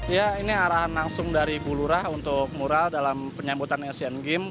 ya ini arahan langsung dari bu lurah untuk mural dalam penyambutan asian games